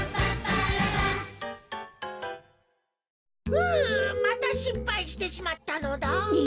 うんまたしっぱいしてしまったのだ。え！？